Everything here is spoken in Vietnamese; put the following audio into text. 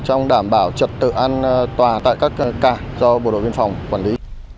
trong đảm bảo trật tự an toàn tại các cảng do bộ đội biên phòng quản lý